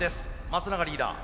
松永リーダー